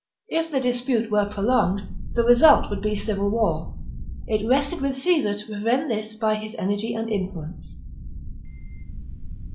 If the dispute were prolonged, the result would be civil war. It rested with Caesar to prevent this by his energy and influence.